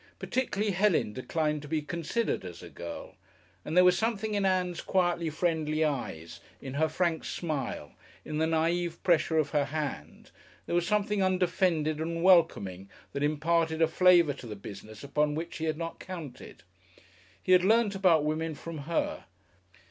Particularly Helen declined to be considered as a "girl." And there was something in Ann's quietly friendly eyes, in her frank smile, in the naïve pressure of her hand, there was something undefended and welcoming that imparted a flavour to the business upon which he had not counted. He had learnt about women from her.